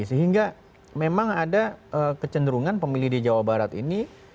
sehingga memang ada kecenderungan pemilih di jawa barat ini